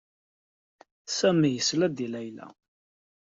Sami yesla-d i Layla.